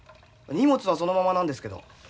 荷物はそのままなんですけど。